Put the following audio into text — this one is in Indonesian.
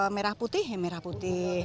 merah putih merah putih